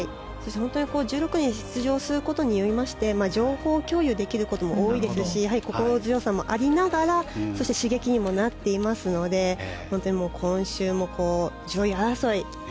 １６人出場することによりまして情報共有できることも多いですし心強さもありながら刺激にもなっていますので今週も上位争い